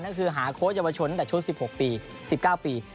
หาโค้ชเยาวชนตั้งแต่ชุด๑๖ปี๑๙ปี